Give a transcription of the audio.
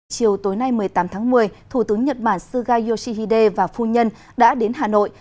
chiều tối nay một mươi tám tháng một mươi thủ tướng nhật bản suga yoshihide và phu nhân đã đến hà nội